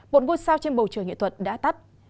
một ngôi sao trên bầu trời nghệ thuật đã tắt